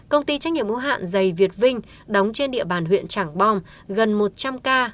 công ty trách nhiệm hữu hạn dày việt vinh đóng trên địa bàn huyện trảng bom gần một trăm linh ca